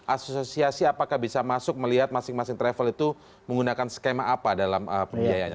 asosiasi apakah bisa masuk melihat masing masing travel itu menggunakan skema apa dalam pembiayaannya